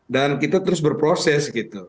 dan kita terus berproses gitu